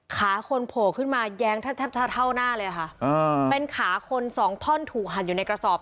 ขาคนโผล่ขึ้นมาแย้งแทบแทบเท่าหน้าเลยค่ะเป็นขาคนสองท่อนถูกหั่นอยู่ในกระสอบ